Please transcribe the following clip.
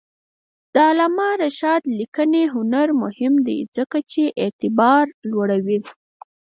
د علامه رشاد لیکنی هنر مهم دی ځکه چې اعتبار لوړوي.